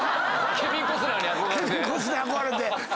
ケビン・コスナーに憧れて。